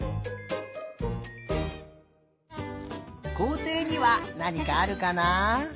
こうていにはなにかあるかな？